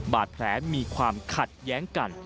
บาดแผลมีความขัดแย้งกัน